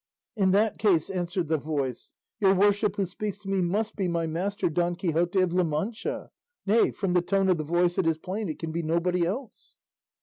"In that case," answered the voice, "your worship who speaks to me must be my master Don Quixote of La Mancha; nay, from the tone of the voice it is plain it can be nobody else."